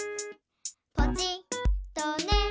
「ポチッとね」